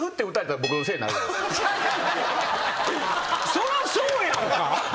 そらそうやんか。